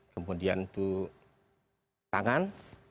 kemudian itu tangan